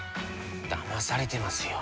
だまされてますよ。